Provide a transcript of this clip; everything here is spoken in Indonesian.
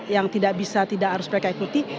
yang tidak bisa tidak harus mereka ikuti